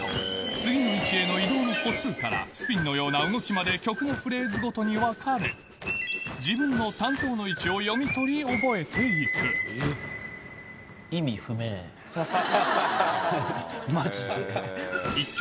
次の位置への移動の歩数からスピンのような動きまで曲のフレーズごとに分かれ自分の担当の位置を読み取り覚えていくマジで。